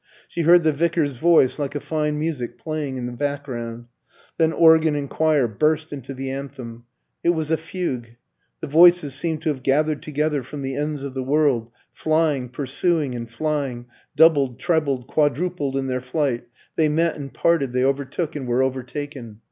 She heard the vicar's voice like a fine music playing in the background. Then organ and choir burst into the anthem. It was a fugue; the voices seemed to have gathered together from the ends of the world, flying, pursuing and flying, doubled, trebled, quadrupled in their flight, they met and parted, they overtook and were overtaken.